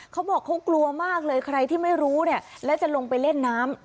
เขาบอกเขากลัวมากเลยใครที่ไม่รู้เนี่ยแล้วจะลงไปเล่นน้ำ